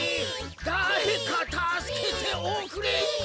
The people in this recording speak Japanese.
「だれかたすけておくれイッヒ」